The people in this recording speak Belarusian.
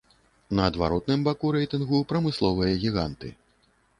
На адваротным баку рэйтынгу прамысловыя гіганты.